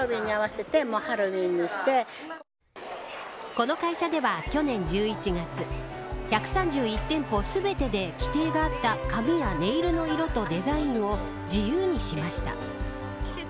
この会社では、去年１１月１３１店舗全てで規定があった髪やネイルの色とデザインを自由にしました。